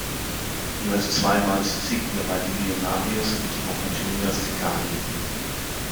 Jeweils zweimal siegten dabei die Millonarios und die Boca Juniors de Cali.